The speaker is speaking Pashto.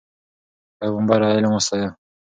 پیغمبر علم وستایه.